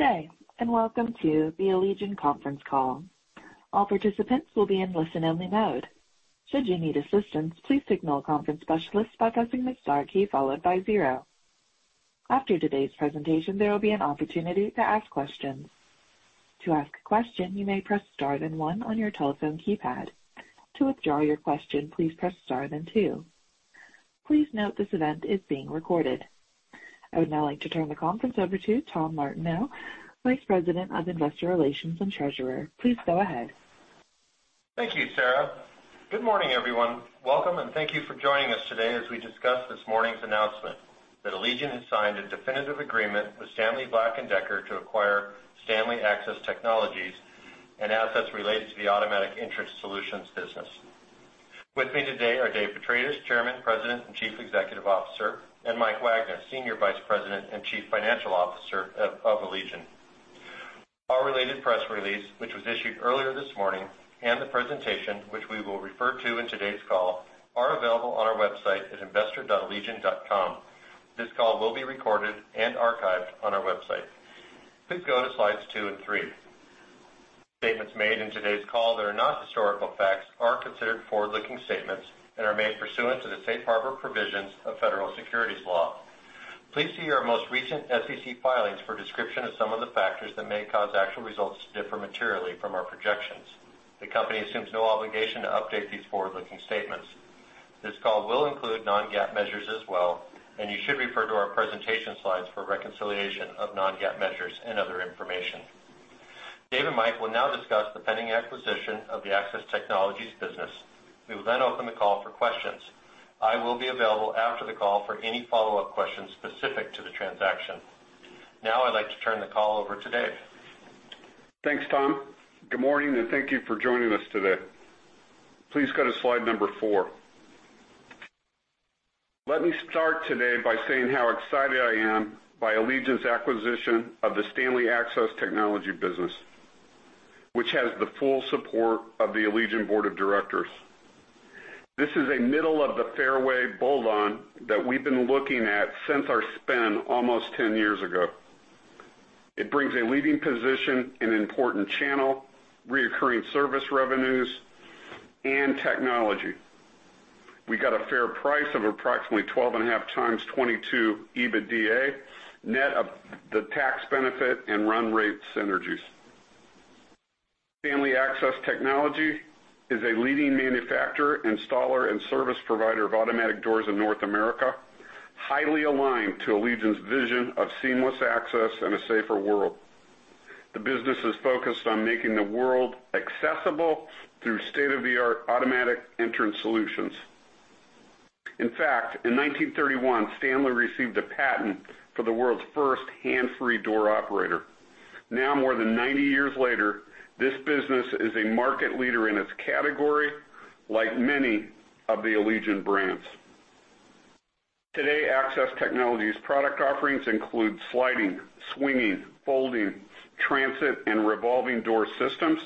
Good day, and welcome to the Allegion Conference Call. All participants will be in listen-only mode. Should you need assistance, please signal a conference specialist by pressing the star key followed by zero. After today's presentation, there will be an opportunity to ask questions. To ask a question, you may press star then one on your telephone keypad. To withdraw your question, please press star then two. Please note this event is being recorded. I would now like to turn the conference over to Tom Martineau, Vice President of Investor Relations and Treasurer. Please go ahead. Thank you, Sarah. Good morning, everyone. Welcome, and thank you for joining us today as we discuss this morning's announcement that Allegion has signed a definitive agreement with Stanley Black & Decker to acquire Stanley Access Technologies and assets related to the automatic entrance solutions business. With me today are Dave Petrarca, Chairman, President, and Chief Executive Officer, and Mike Wagnes, Senior Vice President and Chief Financial Officer of Allegion. Our related press release, which was issued earlier this morning, and the presentation, which we will refer to in today's call, are available on our website at investor.allegion.com. This call will be recorded and archived on our website. Please go to slides two and three. Statements made in today's call that are not historical facts are considered forward-looking statements and are made pursuant to the safe harbor provisions of federal securities law. Please see our most recent SEC filings for a description of some of the factors that may cause actual results to differ materially from our projections. The company assumes no obligation to update these forward-looking statements. This call will include non-GAAP measures as well, and you should refer to our presentation slides for reconciliation of non-GAAP measures and other information. Dave and Mike will now discuss the pending acquisition of the Access Technologies business. We will then open the call for questions. I will be available after the call for any follow-up questions specific to the transaction. Now I'd like to turn the call over to Dave. Thanks, Tom. Good morning, and thank you for joining us today. Please go to slide number four. Let me start today by saying how excited I am by Allegion's acquisition of the Stanley Access Technologies business, which has the full support of the Allegion Board of Directors. This is a middle-of-the-fairway bolt-on that we've been looking at since our spin almost 10 years ago. It brings a leading position, an important channel, recurring service revenues, and technology. We got a fair price of approximately 12.5x 2022 EBITDA, net of the tax benefit and run rate synergies. Stanley Access Technologies is a leading manufacturer, installer, and service provider of automatic doors in North America, highly aligned to Allegion's vision of seamless access and a safer world. The business is focused on making the world accessible through state-of-the-art automatic entrance solutions. In fact, in 1931, Stanley received a patent for the world's first hands-free door operator. Now, more than 90 years later, this business is a market leader in its category, like many of the Allegion brands. Today, Access Technologies product offerings include sliding, swinging, folding, transit, and revolving door systems,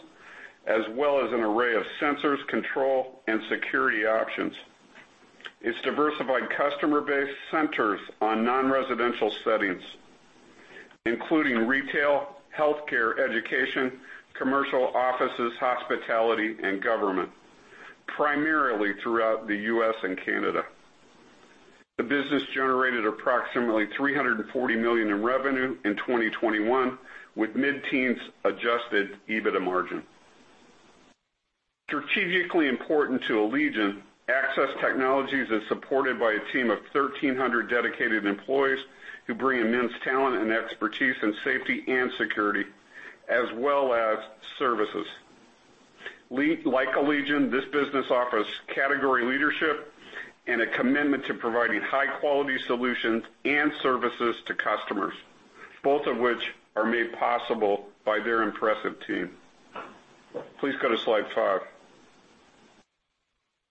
as well as an array of sensors, control, and security options. Its diversified customer base centers on non-residential settings, including retail, healthcare, education, commercial offices, hospitality, and government, primarily throughout the U.S. and Canada. The business generated approximately $340 million in revenue in 2021, with mid-teens% adjusted EBITDA margin. Strategically important to Allegion, Access Technologies is supported by a team of 1,300 dedicated employees who bring immense talent and expertise in safety and security as well as services. Like Allegion, this business offers category leadership and a commitment to providing high-quality solutions and services to customers, both of which are made possible by their impressive team. Please go to slide five.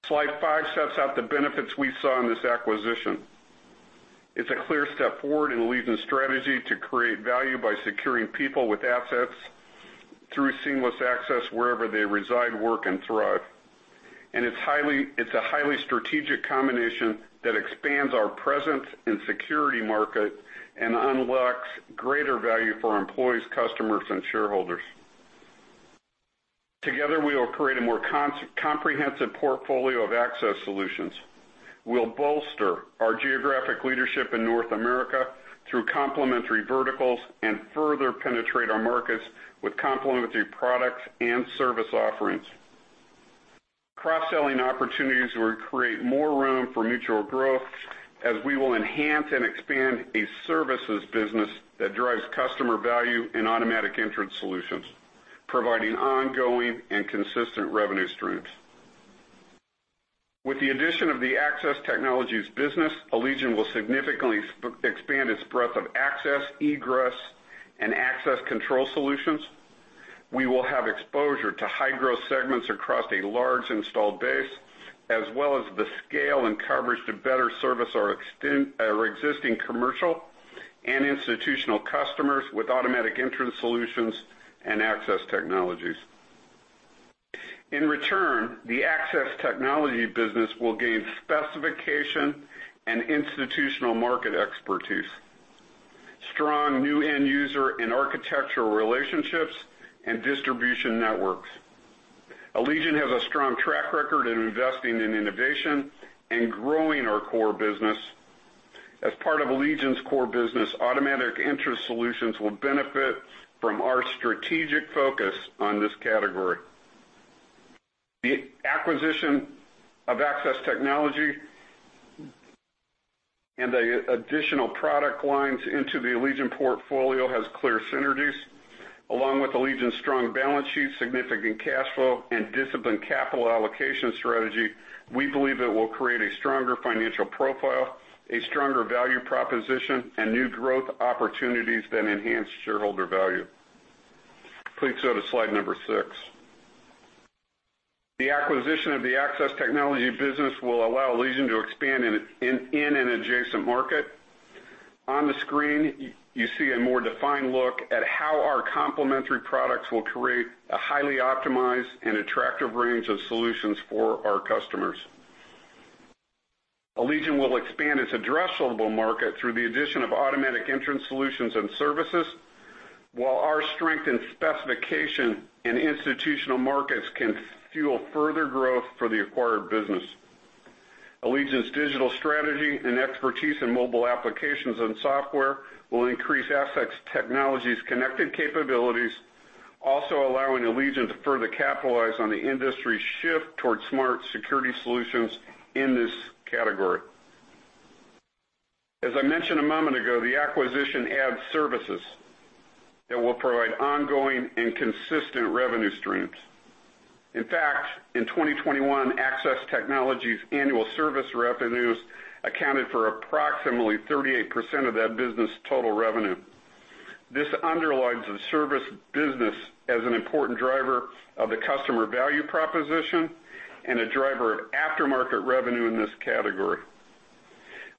Slide five sets out the benefits we saw in this acquisition. It's a clear step forward in Allegion's strategy to create value by securing people with assets through seamless access wherever they reside, work, and thrive. It's a highly strategic combination that expands our presence in security market and unlocks greater value for our employees, customers, and shareholders. Together, we will create a more comprehensive portfolio of access solutions. We'll bolster our geographic leadership in North America through complementary verticals and further penetrate our markets with complementary products and service offerings. Cross-selling opportunities will create more room for mutual growth as we will enhance and expand a services business that drives customer value in automatic entrance solutions, providing ongoing and consistent revenue streams. With the addition of the Access Technologies business, Allegion will significantly expand its breadth of access, egress, and access control solutions. We will have exposure to high-growth segments across a large installed base, as well as the scale and coverage to better service our existing commercial and institutional customers with automatic entrance solutions and Access Technologies. In return, the Access Technologies business will gain specification and institutional market expertise, strong new end user and architectural relationships and distribution networks. Allegion has a strong track record in investing in innovation and growing our core business. As part of Allegion's core business, automatic entrance solutions will benefit from our strategic focus on this category. The acquisition of Access Technologies and the additional product lines into the Allegion portfolio has clear synergies. Along with Allegion's strong balance sheet, significant cash flow, and disciplined capital allocation strategy, we believe it will create a stronger financial profile, a stronger value proposition, and new growth opportunities that enhance shareholder value. Please go to slide number six. The acquisition of the Access Technologies business will allow Allegion to expand in an adjacent market. On the screen, you see a more defined look at how our complementary products will create a highly optimized and attractive range of solutions for our customers. Allegion will expand its addressable market through the addition of automatic entrance solutions and services, while our strength in specification in institutional markets can fuel further growth for the acquired business. Allegion's digital strategy and expertise in mobile applications and software will increase Access Technologies' connected capabilities, also allowing Allegion to further capitalize on the industry shift towards smart security solutions in this category. As I mentioned a moment ago, the acquisition adds services that will provide ongoing and consistent revenue streams. In fact, in 2021, Access Technologies' annual service revenues accounted for approximately 38% of that business's total revenue. This underlines the service business as an important driver of the customer value proposition and a driver of aftermarket revenue in this category.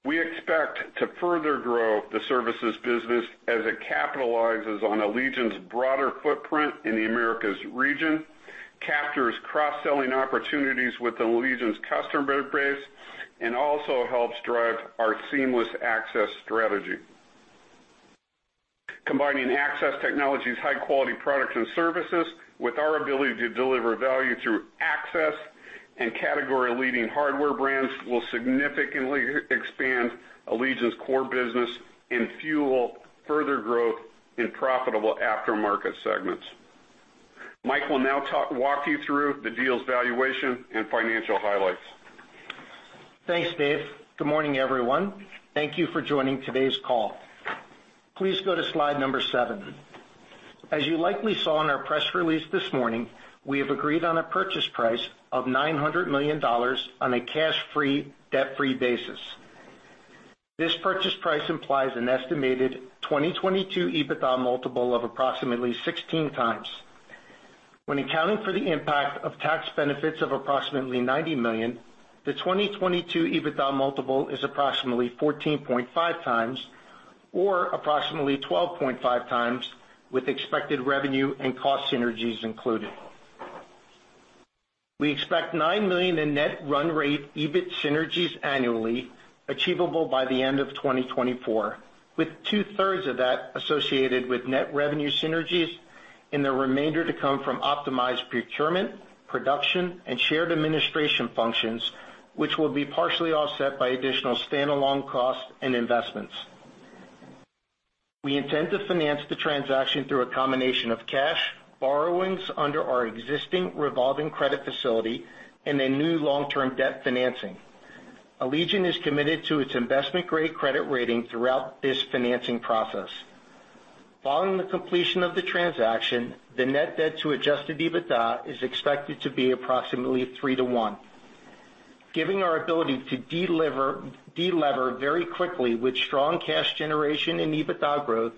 We expect to further grow the services business as it capitalizes on Allegion's broader footprint in the Americas region, captures cross-selling opportunities with Allegion's customer base, and also helps drive our seamless access strategy. Combining Access Technologies' high-quality products and services with our ability to deliver value through access and category-leading hardware brands will significantly expand Allegion's core business and fuel further growth in profitable aftermarket segments. Mike will now walk you through the deal's valuation and financial highlights. Thanks, Dave. Good morning, everyone. Thank you for joining today's call. Please go to slide seven. As you likely saw in our press release this morning, we have agreed on a purchase price of $900 million on a cash-free, debt-free basis. This purchase price implies an estimated 2022 EBITDA multiple of approximately 16x. When accounting for the impact of tax benefits of approximately $90 million, the 2022 EBITDA multiple is approximately 14.5x or approximately 12.5x with expected revenue and cost synergies included. We expect $9 million in net run rate EBIT synergies annually achievable by the end of 2024, with two-thirds of that associated with net revenue synergies and the remainder to come from optimized procurement, production, and shared administration functions, which will be partially offset by additional stand-alone costs and investments. We intend to finance the transaction through a combination of cash borrowings under our existing revolving credit facility and a new long-term debt financing. Allegion is committed to its investment-grade credit rating throughout this financing process. Following the completion of the transaction, the net debt to adjusted EBITDA is expected to be approximately 3:1. Given our ability to delever very quickly with strong cash generation and EBITDA growth,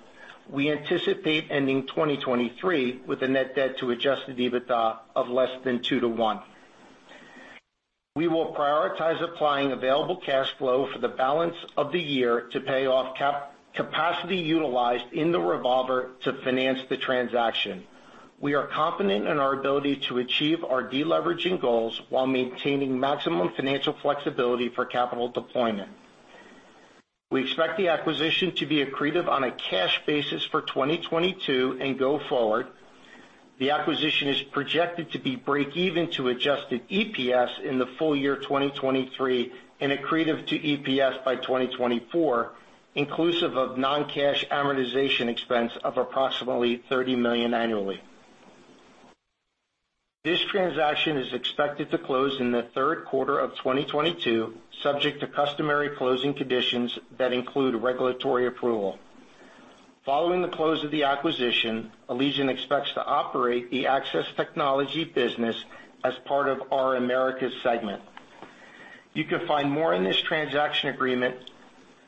we anticipate ending 2023 with a net debt to adjusted EBITDA of less than 2:1. We will prioritize applying available cash flow for the balance of the year to pay off capacity utilized in the revolver to finance the transaction. We are confident in our ability to achieve our deleveraging goals while maintaining maximum financial flexibility for capital deployment. We expect the acquisition to be accretive on a cash basis for 2022 and go forward. The acquisition is projected to be breakeven to adjusted EPS in the full year 2023 and accretive to EPS by 2024, inclusive of non-cash amortization expense of approximately $30 million annually. This transaction is expected to close in the third quarter of 2022, subject to customary closing conditions that include regulatory approval. Following the close of the acquisition, Allegion expects to operate the Access Technologies business as part of our Americas segment. You can find more on this transaction agreement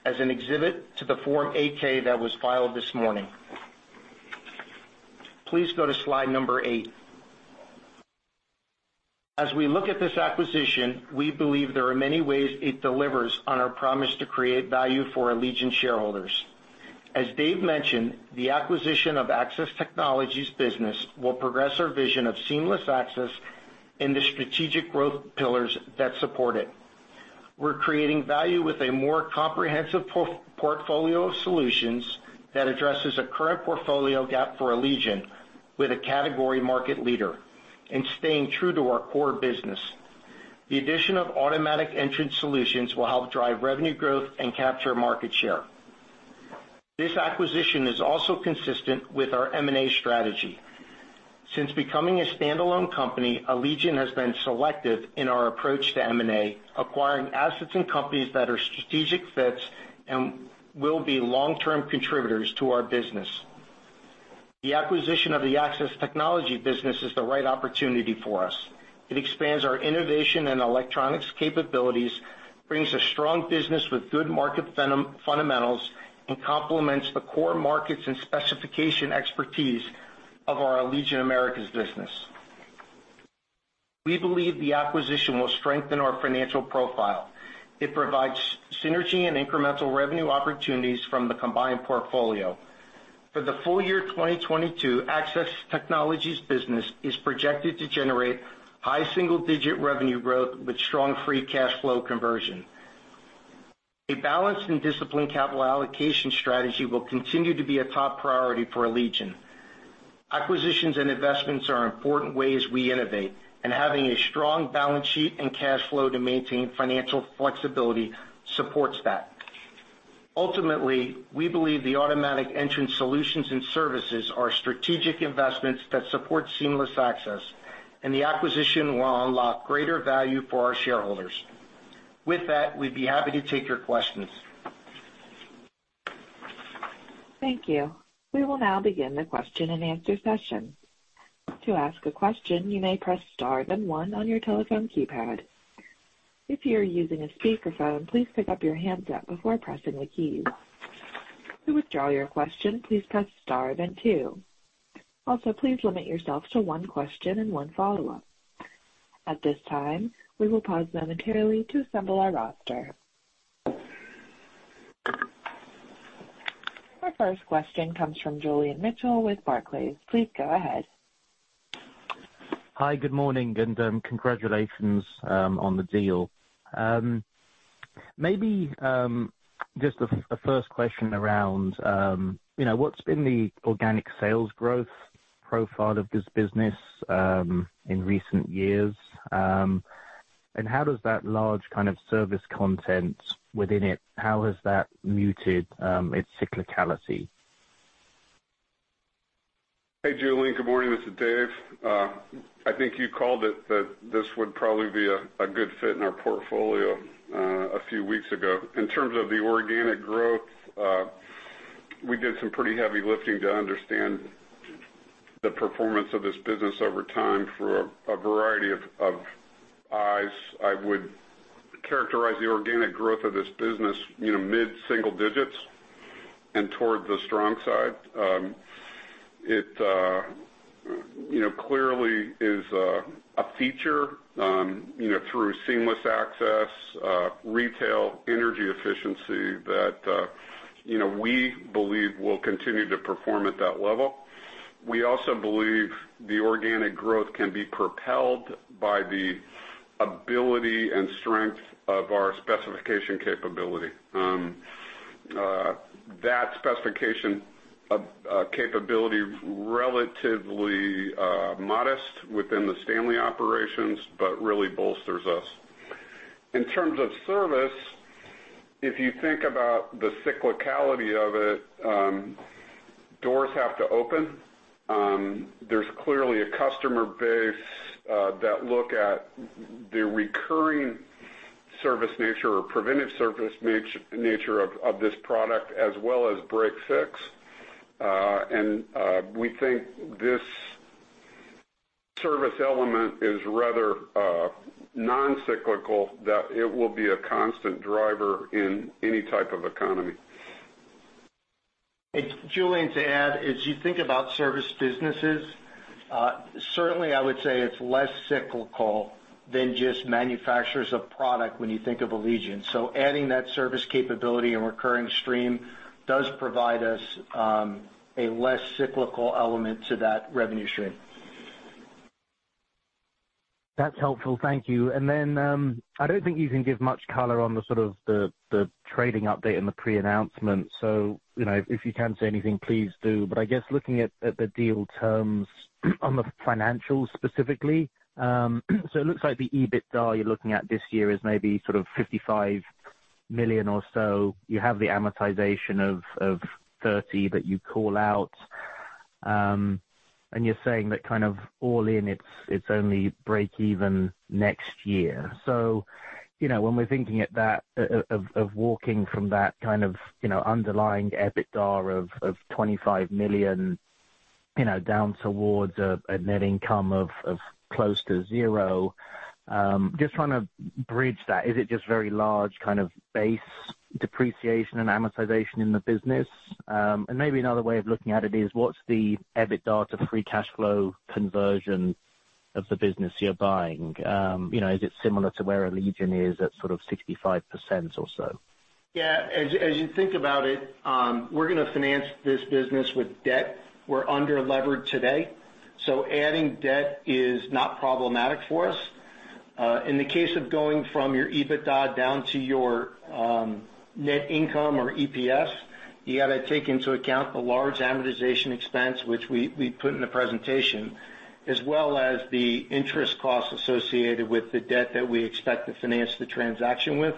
as an exhibit to the Form 8-K that was filed this morning. Please go to slide eight. As we look at this acquisition, we believe there are many ways it delivers on our promise to create value for Allegion shareholders. As Dave mentioned, the acquisition of Access Technologies business will progress our vision of seamless access in the strategic growth pillars that support it. We're creating value with a more comprehensive portfolio of solutions that addresses a current portfolio gap for Allegion with a category market leader and staying true to our core business. The addition of automatic entrance solutions will help drive revenue growth and capture market share. This acquisition is also consistent with our M&A strategy. Since becoming a standalone company, Allegion has been selective in our approach to M&A, acquiring assets and companies that are strategic fits and will be long-term contributors to our business. The acquisition of the Access Technologies business is the right opportunity for us. It expands our innovation and electronics capabilities, brings a strong business with good market fundamentals, and complements the core markets and specification expertise of our Allegion Americas business. We believe the acquisition will strengthen our financial profile. It provides synergy and incremental revenue opportunities from the combined portfolio. For the full year 2022, Access Technologies business is projected to generate high single-digit revenue growth with strong free cash flow conversion. A balanced and disciplined capital allocation strategy will continue to be a top priority for Allegion. Acquisitions and investments are important ways we innovate, and having a strong balance sheet and cash flow to maintain financial flexibility supports that. Ultimately, we believe the automatic entrance solutions and services are strategic investments that support seamless access, and the acquisition will unlock greater value for our shareholders. With that, we'd be happy to take your questions. Thank you. We will now begin the question-and-answer session. To ask a question, you may press star then one on your telephone keypad. If you are using a speakerphone, please pick up your handset before pressing the keys. To withdraw your question, please press star then two. Also, please limit yourself to one question and one follow-up. At this time, we will pause momentarily to assemble our roster. Our first question comes from Julian Mitchell with Barclays. Please go ahead. Hi, good morning, and congratulations on the deal. Maybe just a first question around you know what's been the organic sales growth profile of this business in recent years and how has that large kind of service content within it muted its cyclicality? Hey, Julian. Good morning. This is Dave. I think you called it that this would probably be a good fit in our portfolio a few weeks ago. In terms of the organic growth, we did some pretty heavy lifting to understand the performance of this business over time through a variety of eyes. I would characterize the organic growth of this business, you know, mid-single digits and towards the strong side. It clearly is a feature through seamless access, retail energy efficiency that we believe will continue to perform at that level. We also believe the organic growth can be propelled by the ability and strength of our specification capability. That specification capability is relatively modest within the Stanley operations, but really bolsters us. In terms of service, if you think about the cyclicality of it, doors have to open. There's clearly a customer base that look at the recurring service nature or preventive service nature of this product as well as break fix. We think this service element is rather non-cyclical, that it will be a constant driver in any type of economy. Hey, Julian, to add, as you think about service businesses, certainly I would say it's less cyclical than just manufacturers of product when you think of Allegion. Adding that service capability and recurring stream does provide us a less cyclical element to that revenue stream. That's helpful. Thank you. Then, I don't think you can give much color on the trading update and the pre-announcement. You know, if you can say anything, please do. I guess looking at the deal terms on the financials specifically. It looks like the EBITDA you're looking at this year is maybe sort of $55 million or so. You have the amortization of $30 million that you call out, and you're saying that kind of all in it's only break even next year. You know, when we're thinking at that, of walking from that kind of, you know, underlying EBITDA of $25 million, you know, down towards a net income of close to zero, just trying to bridge that. Is it just very large kind of base depreciation and amortization in the business? Maybe another way of looking at it is what's the EBITDA to free cash flow conversion of the business you're buying, you know, is it similar to where Allegion is at sort of 65% or so? Yeah. As you think about it, we're gonna finance this business with debt. We're underlevered today, so adding debt is not problematic for us. In the case of going from your EBITDA down to your net income or EPS, you gotta take into account the large amortization expense, which we put in the presentation, as well as the interest costs associated with the debt that we expect to finance the transaction with.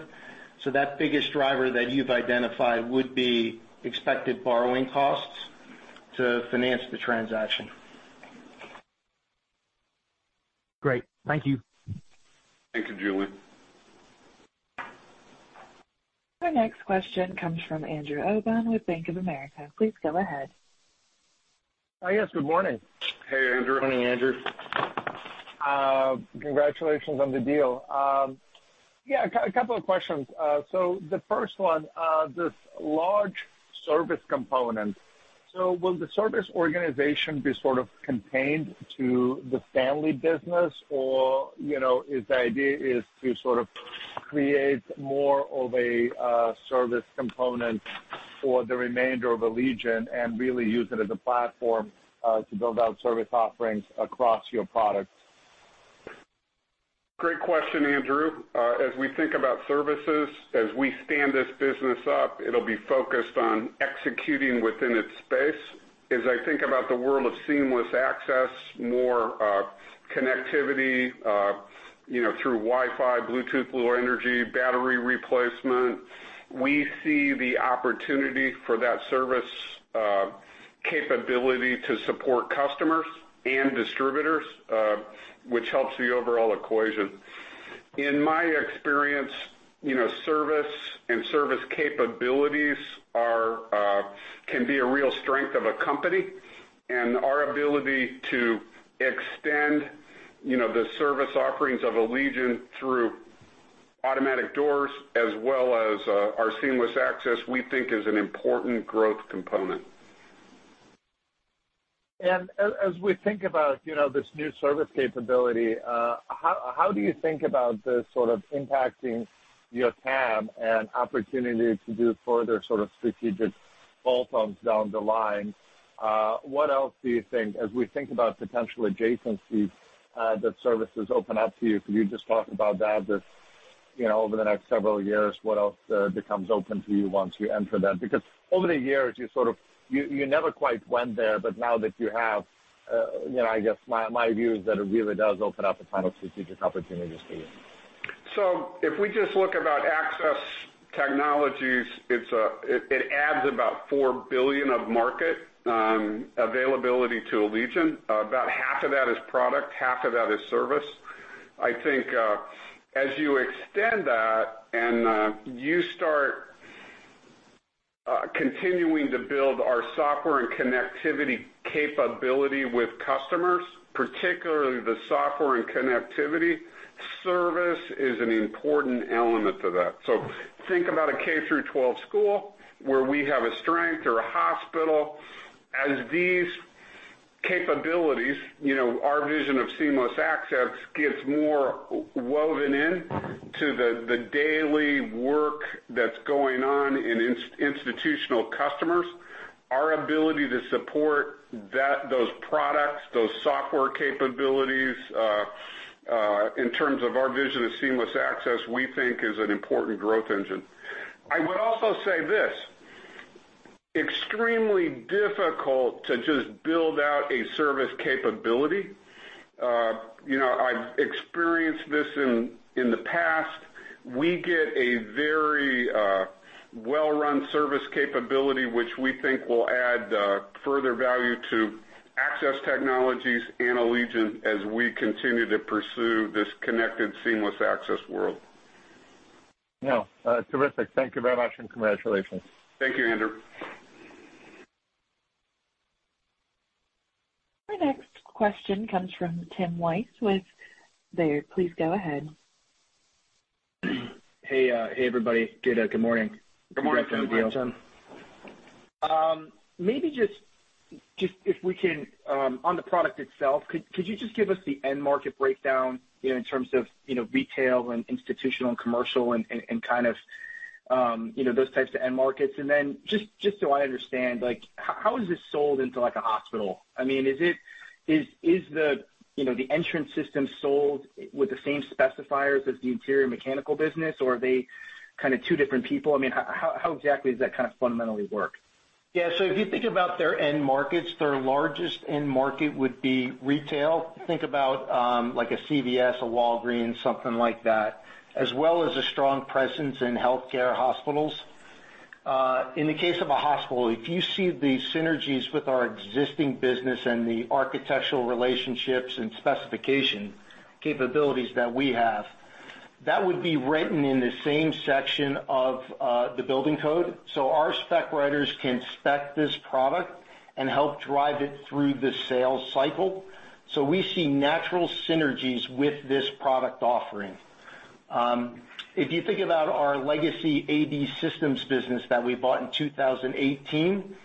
That biggest driver that you've identified would be expected borrowing costs to finance the transaction. Great. Thank you. Thank you, Julian. Our next question comes from Andrew Obin with Bank of America. Please go ahead. Oh, yes. Good morning. Hey, Andrew. Good morning, Andrew. Congratulations on the deal. Yeah, a couple of questions. The first one, this large service component. Will the service organization be sort of contained to the family business? Or, you know, if the idea is to sort of create more of a service component for the remainder of Allegion and really use it as a platform to build out service offerings across your products? Great question, Andrew. As we think about services, as we stand this business up, it'll be focused on executing within its space. As I think about the world of seamless access, more connectivity, you know, through Wi-Fi, Bluetooth Low Energy, battery replacement, we see the opportunity for that service capability to support customers and distributors, which helps the overall equation. In my experience, you know, service and service capabilities are, can be a real strength of a company. Our ability to extend, you know, the service offerings of Allegion through automatic doors as well as our seamless access, we think is an important growth component. As we think about, you know, this new service capability, how do you think about this sort of impacting your TAM and opportunity to do further sort of strategic bolt-ons down the line? What else do you think as we think about potential adjacencies that services open up to you? Could you just talk about that, just, you know, over the next several years, what else becomes open to you once you enter them? Because over the years, you sort of you never quite went there, but now that you have, you know, I guess my view is that it really does open up a ton of strategic opportunities for you. If we just look about Access Technologies, it adds about $4 billion of market availability to Allegion. About half of that is product, half of that is service. I think as you extend that and you start continuing to build our software and connectivity capability with customers, particularly the software and connectivity, service is an important element to that. Think about a K-12 school where we have a strength or a hospital. As these capabilities our vision of seamless access gets more woven in to the daily work that's going on in institutional customers, our ability to support that those products, those software capabilities in terms of our vision of seamless access, we think is an important growth engine. I would also say this, extremely difficult to just build out a service capability. You know, I've experienced this in the past. We get a very well-run service capability which we think will add further value to Access Technologies and Allegion as we continue to pursue this connected seamless access world. No, terrific. Thank you very much, and congratulations. Thank you, Andrew. Our next question comes from Timothy Wojs with Baird. Please go ahead. Hey, everybody. Good morning. Good morning. Good morning, Tim. Maybe just if we can, on the product itself, could you just give us the end market breakdown, you know, in terms of, you know, retail and institutional and commercial and kind of, you know, those types of end markets? Then just so I understand, like how is this sold into like a hospital? I mean, is it the, you know, the entrance system sold with the same specifiers as the interior mechanical business, or are they kinda two different people? I mean, how exactly does that kind of fundamentally work? Yeah. If you think about their end markets, their largest end market would be retail. Think about, like a CVS, a Walgreens, something like that, as well as a strong presence in healthcare hospitals. In the case of a hospital, if you see the synergies with our existing business and the architectural relationships and specification capabilities that we have, that would be written in the same section of the building code. Our spec writers can spec this product and help drive it through the sales cycle. We see natural synergies with this product offering. If you think about our legacy AD Systems business that we bought in 2018,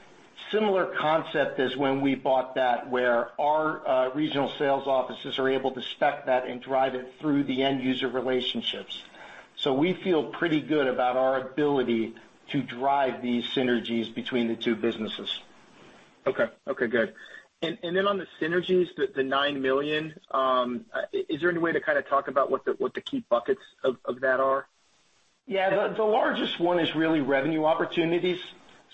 similar concept as when we bought that, where our regional sales offices are able to spec that and drive it through the end user relationships. We feel pretty good about our ability to drive these synergies between the two businesses. Okay, good. On the synergies, the $9 million, is there any way to kind of talk about what the key buckets of that are? Yeah. The largest one is really revenue opportunities.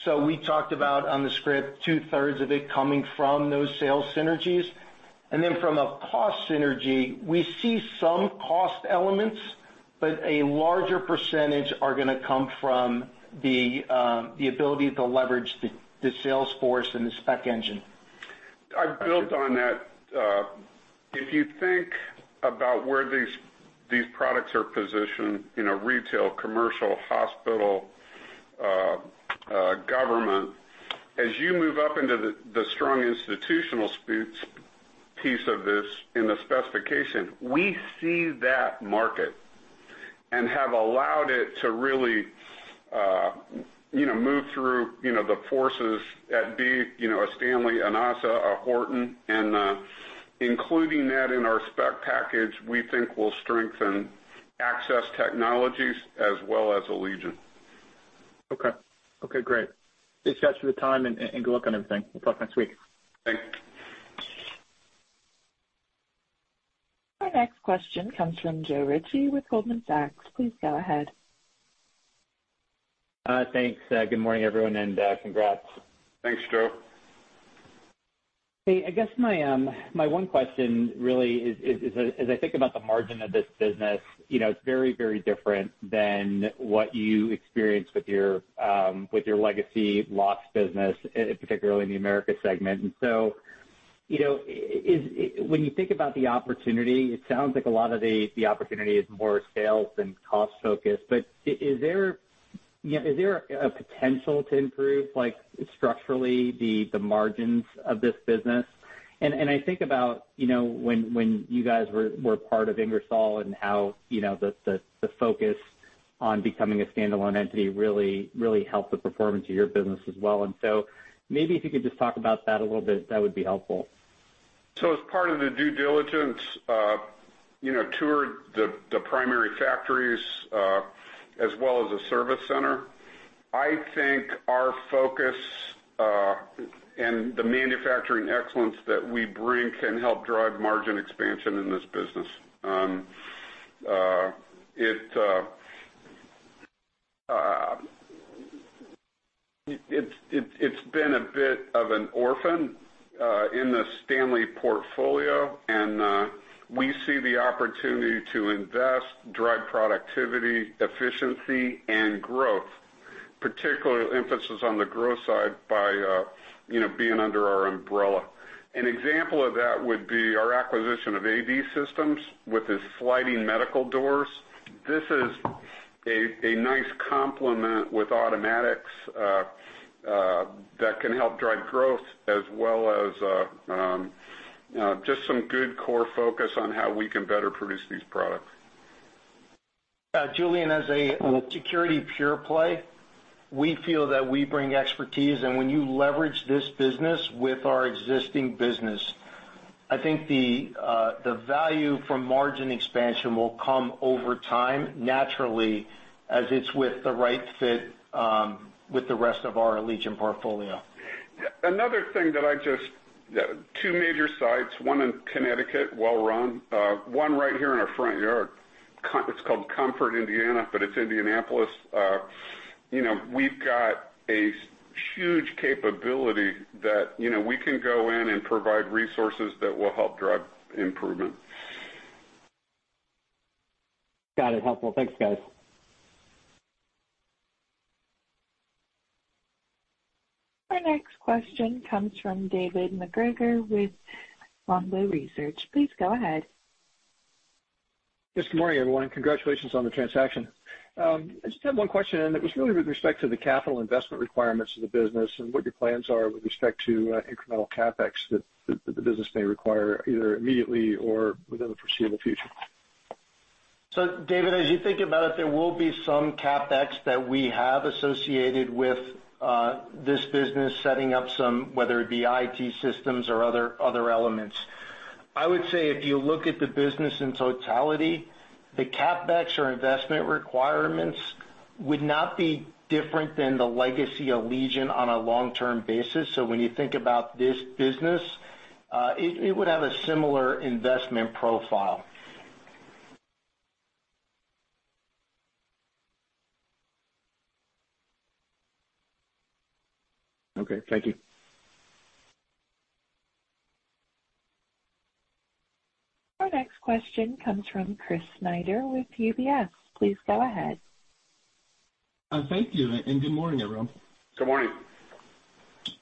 We talked about on the script two-thirds of it coming from those sales synergies. From a cost synergy, we see some cost elements, but a larger percentage are gonna come from the ability to leverage the sales force and the spec engine. I built on that. If you think about where these products are positioned, you know, retail, commercial, hospital, government, as you move up into the strong institutional piece of this in the specification, we see that market and have allowed it to really, you know, move through the forces to be, you know, a Stanley, an ASSA, a Horton, and including that in our spec package, we think will strengthen Access Technologies as well as Allegion. Okay. Okay, great. Thanks, guys, for the time and good luck on everything. We'll talk next week. Thanks. Our next question comes from Joe Ritchie with Goldman Sachs. Please go ahead. Thanks, good morning, everyone, and congrats. Thanks, Joe. Hey, I guess my one question really is as I think about the margin of this business, you know, it's very different than what you experienced with your legacy locks business, particularly in the Americas segment. You know, when you think about the opportunity, it sounds like a lot of the opportunity is more sales than cost focused. But is there, you know, is there a potential to improve, like structurally the margins of this business? I think about, you know, when you guys were part of Ingersoll and how, you know, the focus on becoming a standalone entity really helped the performance of your business as well. Maybe if you could just talk about that a little bit, that would be helpful. As part of the due diligence, you know, toured the primary factories as well as the service center. I think our focus and the manufacturing excellence that we bring can help drive margin expansion in this business. It's been a bit of an orphan in the Stanley portfolio, and we see the opportunity to invest, drive productivity, efficiency and growth, particular emphasis on the growth side by, you know, being under our umbrella. An example of that would be our acquisition of AB Systems with the sliding medical doors. This is a nice complement with automatics that can help drive growth as well as just some good core focus on how we can better produce these products. Julian, as a security pure play, we feel that we bring expertise. When you leverage this business with our existing business, I think the value from margin expansion will come over time naturally as it's with the right fit with the rest of our Allegion portfolio. Another thing. Two major sites, one in Connecticut, well run, one right here in our front yard. It's called Carmel, Indiana, but it's Indianapolis. You know, we've got a huge capability that, you know, we can go in and provide resources that will help drive improvement. Got it. Helpful. Thanks, guys. Our next question comes from David MacGregor with Longbow Research. Please go ahead. Yes, good morning, everyone. Congratulations on the transaction. I just have one question, and it was really with respect to the capital investment requirements of the business and what your plans are with respect to, incremental CapEx that the business may require either immediately or within the foreseeable future. David, as you think about it, there will be some CapEx that we have associated with this business, setting up some whether it be IT systems or other elements. I would say if you look at the business in totality, the CapEx or investment requirements would not be different than the legacy Allegion on a long-term basis. When you think about this business, it would have a similar investment profile. Okay. Thank you. Our next question comes from Chris Snyder with UBS. Please go ahead. Thank you, and good morning, everyone. Good morning.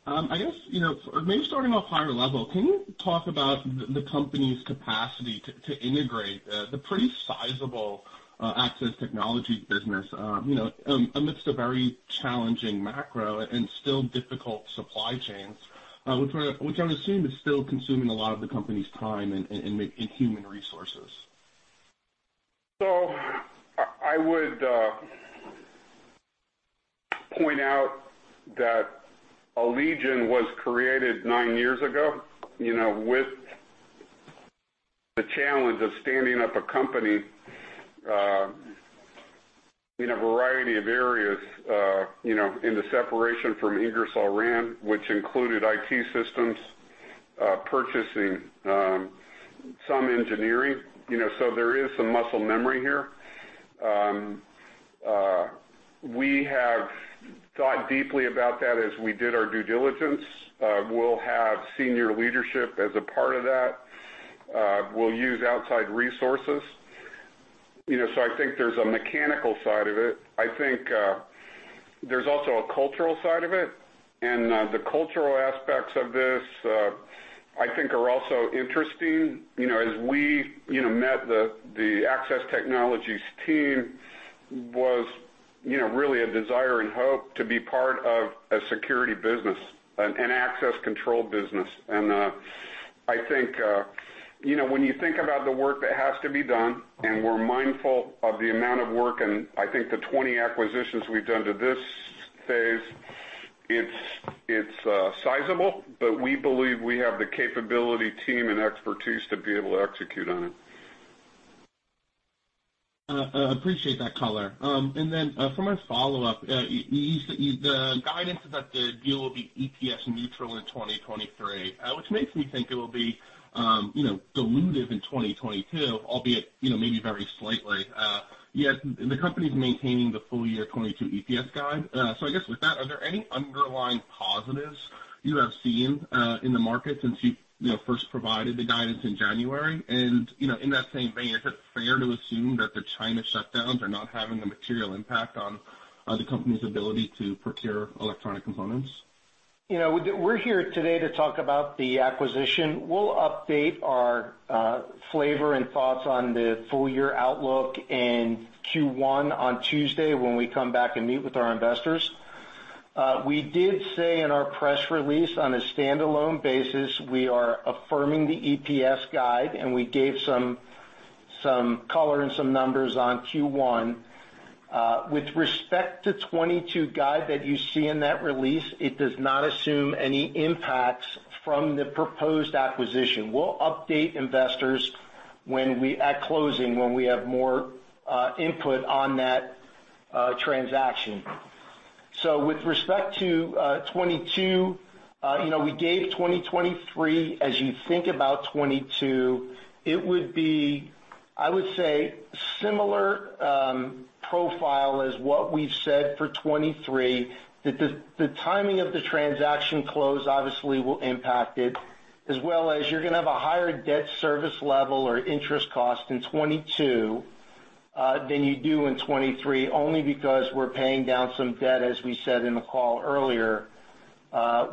I guess, you know, maybe starting off higher level, can you talk about the company's capacity to integrate the pretty sizable Access Technologies business, you know, amidst a very challenging macro and still difficult supply chains, which I would assume is still consuming a lot of the company's time and human resources. I would point out that Allegion was created nine years ago, you know, with the challenge of standing up a company in a variety of areas, you know, in the separation from Ingersoll Rand, which included IT systems, purchasing, some engineering, you know. There is some muscle memory here. We have thought deeply about that as we did our due diligence. We'll have senior leadership as a part of that. We'll use outside resources. You know, I think there's a mechanical side of it. I think there's also a cultural side of it. The cultural aspects of this, I think are also interesting. You know, as we, you know, met the Access Technologies team, you know, really a desire and hope to be part of a security business and an access control business. I think, you know, when you think about the work that has to be done, and we're mindful of the amount of work, and I think the 20 acquisitions we've done to this phase, it's sizable, but we believe we have the capability, team, and expertise to be able to execute on it. Appreciate that color. For my follow-up, the guidance is that the deal will be EPS neutral in 2023, which makes me think it will be, you know, dilutive in 2022, albeit, you know, maybe very slightly. Yet the company's maintaining the full year 2022 EPS guide. So I guess with that, are there any underlying positives you have seen in the market since you know, first provided the guidance in January? You know, in that same vein, is it fair to assume that the China shutdowns are not having a material impact on the company's ability to procure electronic components? You know, we're here today to talk about the acquisition. We'll update our view and thoughts on the full year outlook in Q1 on Tuesday when we come back and meet with our investors. We did say in our press release, on a standalone basis, we are affirming the EPS guide, and we gave some color and some numbers on Q1. With respect to 2022 guide that you see in that release, it does not assume any impacts from the proposed acquisition. We'll update investors at closing, when we have more input on that transaction. With respect to 2022, you know, we gave 2023. As you think about 2022, it would be, I would say, similar profile as what we've said for 2023. The timing of the transaction close obviously will impact it, as well as you're gonna have a higher debt service level or interest cost in 2022 than you do in 2023, only because we're paying down some debt, as we said in the call earlier,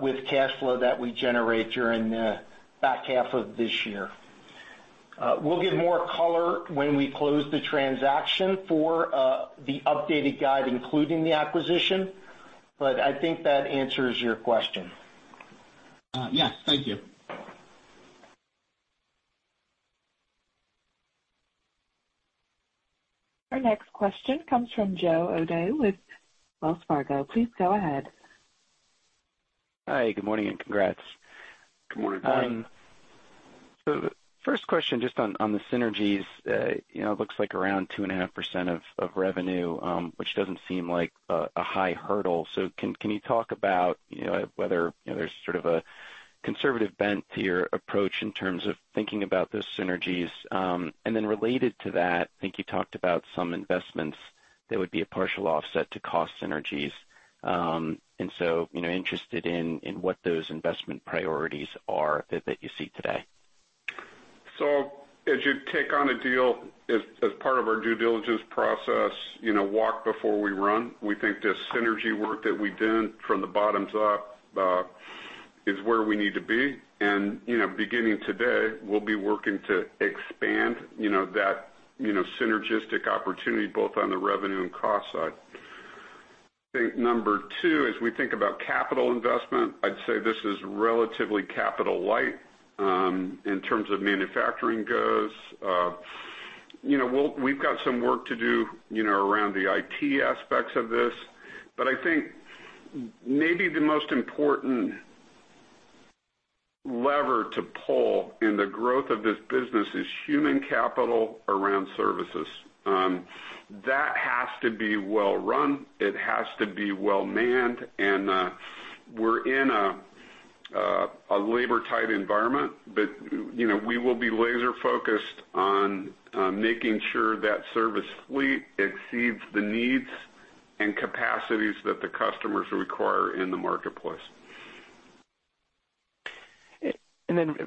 with cash flow that we generate during the back half of this year. We'll give more color when we close the transaction for the updated guide, including the acquisition. I think that answers your question. Yes. Thank you. Our next question comes from Joe O'Dea with Wells Fargo. Please go ahead. Hi, good morning and congrats. Good morning. First question just on the synergies. You know, it looks like around 2.5% of revenue, which doesn't seem like a high hurdle. Can you talk about, you know, whether, you know, there's sort of a conservative bent to your approach in terms of thinking about those synergies? Related to that, I think you talked about some investments that would be a partial offset to cost synergies. You know, interested in what those investment priorities are that you see today. As you take on a deal, as part of our due diligence process, you know, walk before we run, we think the synergy work that we've done from the bottoms up, is where we need to be. You know, beginning today, we'll be working to expand, you know, that, you know, synergistic opportunity both on the revenue and cost side. I think number two, as we think about capital investment, I'd say this is relatively capital light, in terms of manufacturing goes. You know, we've got some work to do, you know, around the IT aspects of this. I think maybe the most important lever to pull in the growth of this business is human capital around services. That has to be well run. It has to be well manned. We're in a labor-tight environment. You know, we will be laser-focused on making sure that service fleet exceeds the needs and capacities that the customers require in the marketplace.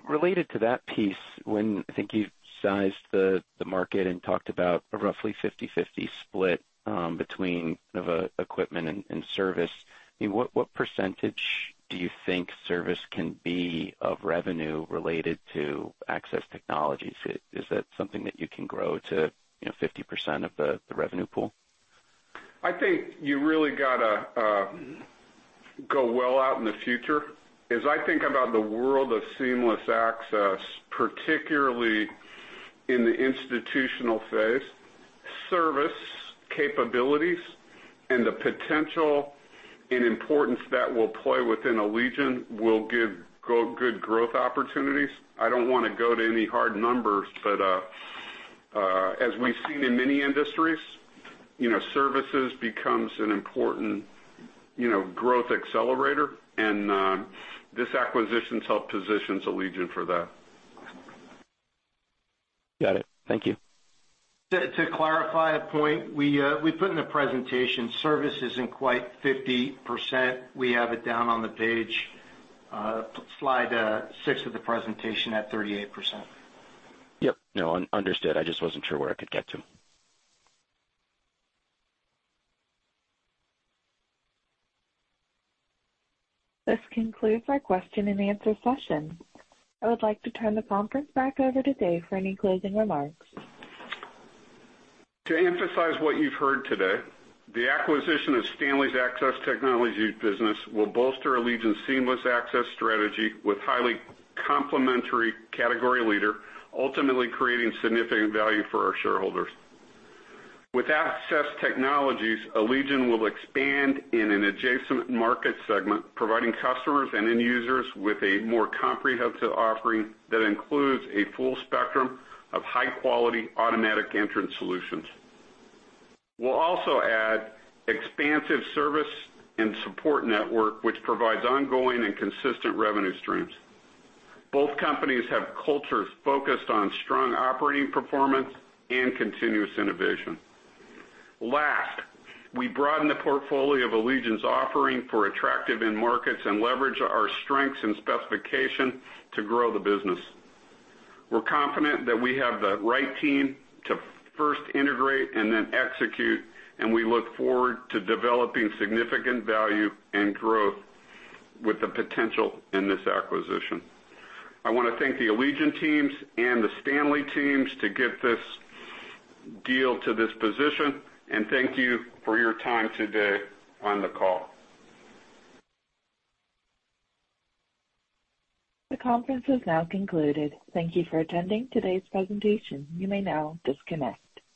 Related to that piece, when I think you sized the market and talked about a roughly 50/50 split between the equipment and service, I mean, what percentage do you think service can be of revenue related to Access Technologies? Is that something that you can grow to, you know, 50% of the revenue pool? I think you really gotta go well out in the future. As I think about the world of seamless access, particularly in the institutional phase, service capabilities and the potential and importance that will play within Allegion will give good growth opportunities. I don't wanna go to any hard numbers, but as we've seen in many industries, you know, services becomes an important, you know, growth accelerator and this acquisition help positions Allegion for that. Got it. Thank you. To clarify a point, we put in a presentation. Service isn't quite 50%. We have it down on the page, slide six of the presentation at 38%. Yep. No, understood. I just wasn't sure where I could get to. This concludes our question and answer session. I would like to turn the conference back over to Dave for any closing remarks. To emphasize what you've heard today, the acquisition of Stanley Access Technologies business will bolster Allegion's seamless access strategy with highly complementary category leader, ultimately creating significant value for our shareholders. With Access Technologies, Allegion will expand in an adjacent market segment, providing customers and end users with a more comprehensive offering that includes a full spectrum of high-quality automatic entrance solutions. We'll also add expansive service and support network, which provides ongoing and consistent revenue streams. Both companies have cultures focused on strong operating performance and continuous innovation. Last, we broaden the portfolio of Allegion's offering for attractive end markets and leverage our strengths and specification to grow the business. We're confident that we have the right team to first integrate and then execute, and we look forward to developing significant value and growth with the potential in this acquisition. I wanna thank the Allegion teams and the Stanley teams to get this deal to this position, and thank you for your time today on the call. The conference is now concluded. Thank you for attending today's presentation. You may now disconnect.